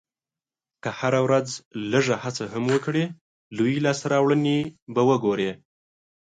که هره ورځ لږه هڅه هم وکړې، لویې لاسته راوړنې به وګورې.